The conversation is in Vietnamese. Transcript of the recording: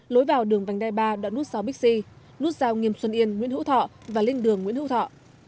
lối vào đường vành đai ba đoạn nút rào bixi nút rào nghiêm xuân yên nguyễn hữu thọ và linh đường nguyễn hữu thọ